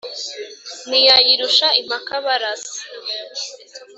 Ntiyayirusha impakabarasi.